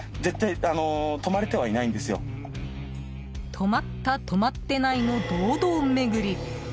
止まった、止まってないの堂々巡り。